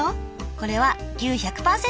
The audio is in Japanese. これは牛１００％。